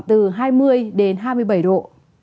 từ hai mươi đến hai mươi bảy độ